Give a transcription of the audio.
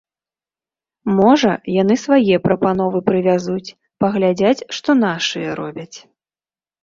Можа, яны свае прапановы прывязуць, паглядзяць, што нашыя робяць.